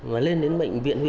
mà lên đến bệnh viện huyện